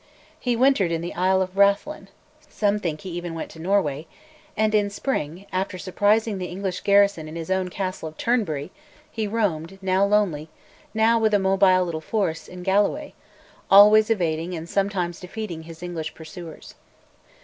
He wintered in the isle of Rathlin (some think he even went to Norway), and in spring, after surprising the English garrison in his own castle of Turnberry, he roamed, now lonely, now with a mobile little force, in Galloway, always evading and sometimes defeating his English pursuers.